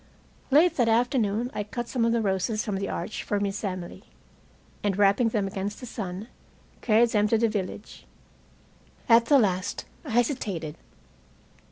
Late that afternoon I cut some of the roses from the arch for Miss Emily, and wrapping them against the sun, carried them to the village. At the last I hesitated.